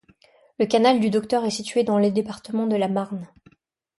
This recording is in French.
Le canal du Docteur est situé dans le département de la Marne.